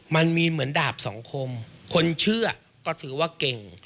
มันมีเหมือนดาบสองคมคนเชื่อก็ถือว่าเก่ง